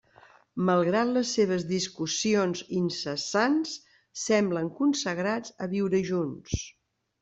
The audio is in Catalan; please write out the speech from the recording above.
Malgrat les seves discussions incessants, semblen consagrats a viure junts.